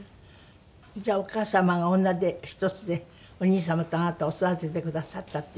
じゃあお母様が女手一つでお兄様とあなたを育ててくださったっていう感じ？